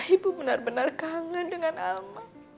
ibu benar benar kangen dengan alma